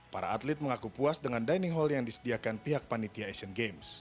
para atlet mengaku puas dengan dining hall yang disediakan pihak panitia asian games